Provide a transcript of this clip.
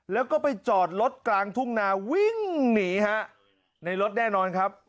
แล้วก็ไปจอดรถกลางทุ่งนาวิ่งหนีฮะในรถแน่นอนครับ